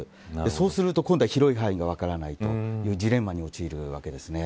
そうすると今度は広い範囲が分からないというジレンマに陥るわけです。